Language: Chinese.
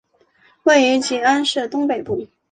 位于吉安市东北部。